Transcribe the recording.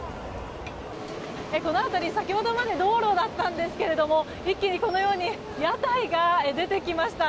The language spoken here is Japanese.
この辺り、先ほどまで道路だったんですけれども一気に、このように屋台が出てきました。